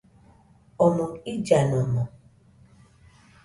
Omoɨ illanomo